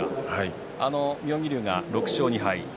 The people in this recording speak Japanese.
妙義龍は６勝２敗です。